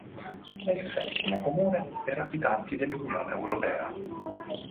È il settimo comune per abitanti dell'Unione europea.